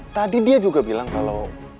tadi dia juga bilang kalau